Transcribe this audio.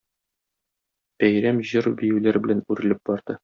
Бәйрәм җыр-биюләр белән үрелеп барды.